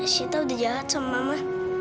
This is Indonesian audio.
sita udah jahat sama mama